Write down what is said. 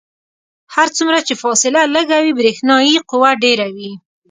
هر څومره چې فاصله لږه وي برېښنايي قوه ډیره وي.